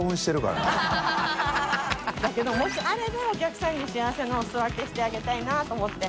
だけどもしあればお客さんに擦お裾分けしてあげたいなと思って。